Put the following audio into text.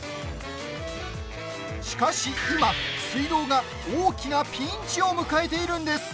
しかし、今水道が大きなピンチを迎えているんです。